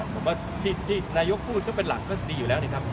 ผมว่าที่นายกพูดซึ่งเป็นหลังก็ดีอยู่แล้วนะครับ